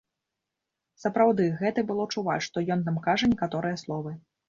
Сапраўды, гэта было чуваць, што ён там кажа некаторыя словы.